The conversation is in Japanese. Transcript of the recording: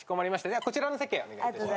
ではこちらの席へお願いします。